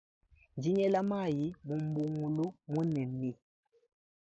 Ndi ngela mayi mu mbungulu munene.